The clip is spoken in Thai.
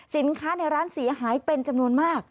สินค้าในร้านเสียหายเป็นจำนวนมาก